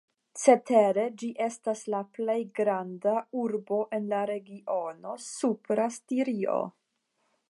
Cetere ĝi estas la plej granda urbo en la regiono Supra Stirio.